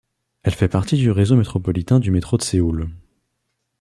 Elle fait partie du réseau métropolitain du métro de Séoul.